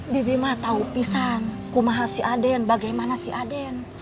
bibi ma tahu pisan kumaha si ade bagaimana si ade